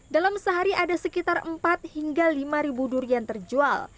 dalam sehari ada sekitar empat hingga lima ribu durian terjual